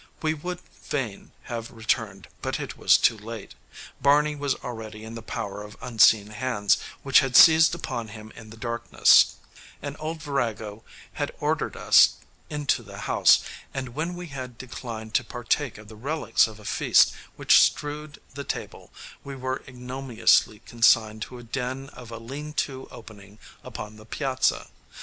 We would fain have returned, but it was too late. Barney was already in the power of unseen hands, which had seized upon him in the darkness; an old virago had ordered us into the house; and when we had declined to partake of the relics of a feast which strewed the table, we were ignominiously consigned to a den of a lean to opening upon the piazza.